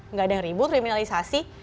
nggak ada yang ribut kriminalisasi